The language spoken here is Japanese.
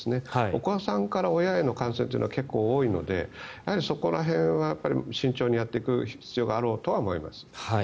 お子さんから両親への感染って結構多いのでそこら辺は慎重にやっていく必要があろうとは思います。